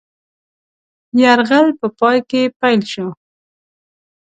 یرغل په پای کې پیل شو.